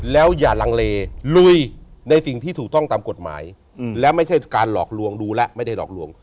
แล้วอย่าลังเลลุยในสิ่งที่ถูกต้องตามกฎหมายและไม่ใช่การหลอกลวงดูแล้วไม่ได้หลอกลวง